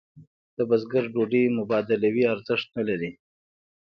د بزګر ډوډۍ مبادلوي ارزښت نه لري.